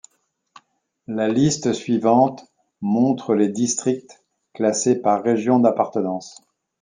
La liste suivante montre les districts, classés par région d'appartenance.